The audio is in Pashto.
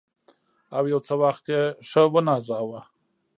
او یو څه وخت یې ښه ونازاوه.